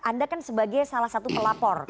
pak carkaya anda sebagai salah satu pelapor